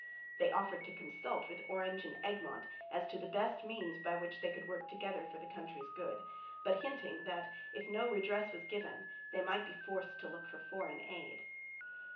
They offered to consult with Orange and Egmont as to the best means by which they could work together for the country's good, but hinting that, if no redress was given, they might be forced to look for foreign aid.